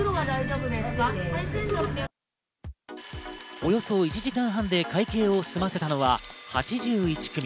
およそ１時間半で会計を済ませたのは８１組。